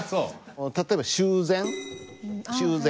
例えば「修繕」「修繕」。